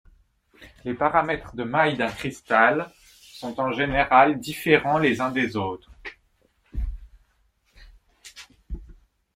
Les paramètres de maille d'un cristal sont en général différents les uns des autres.